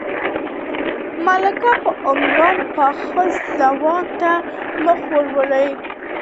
ملک په عمر پاخه ځوان ته مخ ور واړاوه، ورو يې وويل: